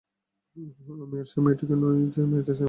আমি আর সেই মেয়েটি নই যাকে সে মনে রাখবে।